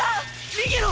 逃げろ！